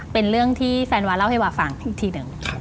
เป็นเรื่องที่แฟนวาเล่าให้วาฟังอีกทีหนึ่ง